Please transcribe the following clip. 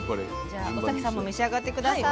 じゃあ尾碕さんも召し上がって下さい。